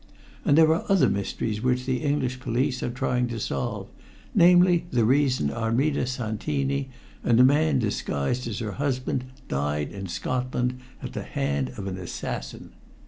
And there are other mysteries which the English police are trying to solve, namely, the reason Armida Santini and a man disguised as her husband died in Scotland at the hand of an assassin.